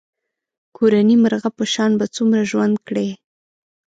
کورني مرغه په شان به څومره ژوند کړې.